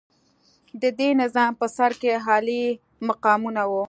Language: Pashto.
د دې نظام په سر کې عالي مقامونه وو.